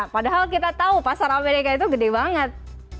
padahal kita tahu pasar amerika itu gede banget